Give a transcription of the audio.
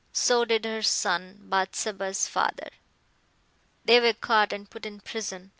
So did her son, Bathsheba's father. They were caught and put in prison.